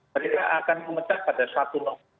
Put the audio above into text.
mereka akan memecah pada satu november